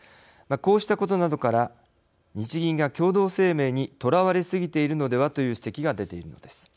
こうしたことなどから日銀が共同声明にとらわれすぎているのではという指摘が出ているのです。